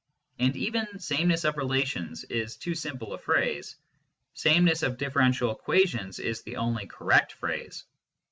And even " sameness of relations " is too simple a phrase ;" sameness of differential equations " is the only correct phrase.